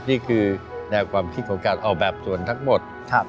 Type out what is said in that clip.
นี่คือแนวความคิดของการออกแบบส่วนทั้งหมด